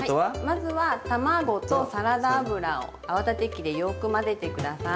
まずは卵とサラダ油を泡立て器でよく混ぜて下さい。